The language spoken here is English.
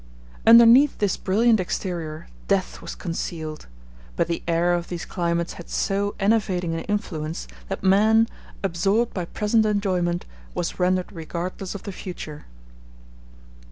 *f Underneath this brilliant exterior death was concealed. But the air of these climates had so enervating an influence that man, absorbed by present enjoyment, was rendered regardless of the future.